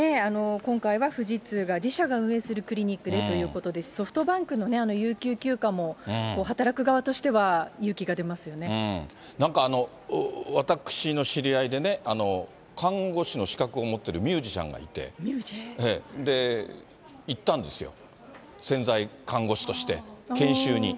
今回は富士通が自社が運営するクリニックでということで、ソフトバンクの有給休暇も、働く側としなんか、私の知り合いでね、看護師の資格を持っているミュージシャンがいて、行ったんですよ、潜在看護師として、研修に。